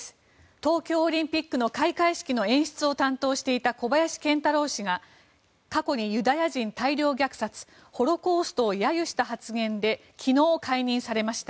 東京オリンピックの開会式の演出を担当していた小林賢太郎氏が過去にユダヤ人大量虐殺ホロコーストを揶揄した発言で昨日、解任されました。